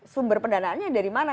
sumber pendanaannya dari mana